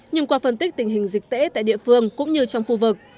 nhưng qua phân tích tình hình dịch tễ tại địa phương cũng như trong khu vực